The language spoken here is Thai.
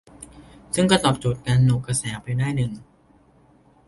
ซึ่งก็ตอบโจทย์การโหนกระแสไปได้หนึ่ง